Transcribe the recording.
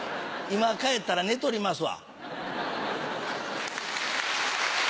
今帰ったら寝とりますわ。